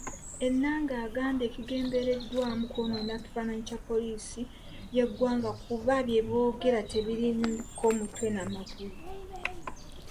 Ennanga agambye kigendereddwamu kwonoona kifaananyi kya poliisi y'eggwanga kuba byeboogera tebiriiko mutwe na magulu.